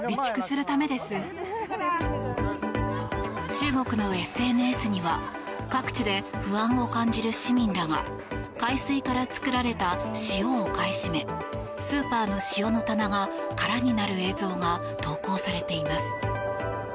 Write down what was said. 中国のＳＮＳには各地で不安を感じる市民らが海水から作られた塩を買い占めスーパーの塩の棚が空になる映像が投稿されています。